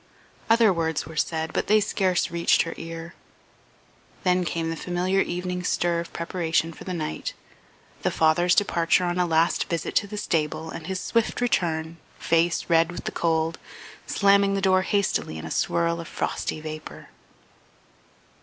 Other words were said, but they scarce reached her ear; then came the familiar evening stir of preparation for the night, the father's departure on a last visit to the stable and his swift return, face red with the cold, slamming the door hastily in a swirl of frosty vapour.